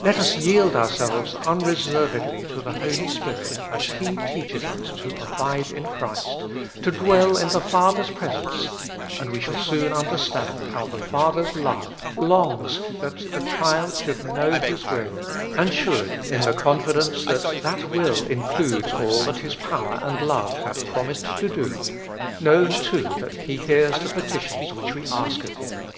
Let us yield ourselves unreservedly to the Holy Spirit as He teaches us to abide in Christ, to dwell in the Father's presence, and we shall soon understand how the Father's love longs that the child should know His will, and should, in the confidence that that will includes all that His power and love have promised to do, know too that He hears the petitions which we ask of Him.